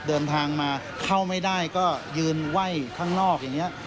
เดินทางมาเข้าไม่ได้ก็ยืนไหว้ข้างนอกอย่างนี้